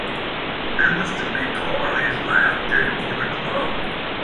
It was to be Chorley's last game for the club.